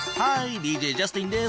ＤＪジャスティンです。